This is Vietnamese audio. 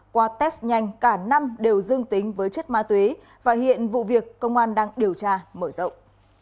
qua test nhanh cả năm đều dương tính với chất ma túy và hiện vụ việc công an đang điều tra mở rộng